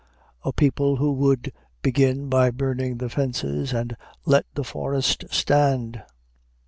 A people who would begin by burning the fences and let the forest stand!